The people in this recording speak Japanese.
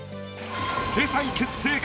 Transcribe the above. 掲載決定か？